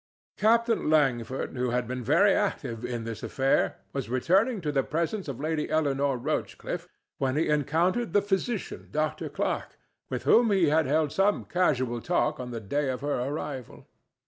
Captain Langford, who had been very active in this affair, was returning to the presence of Lady Eleanore Rochcliffe, when he encountered the physician, Dr. Clarke, with whom he had held some casual talk on the day of her arrival.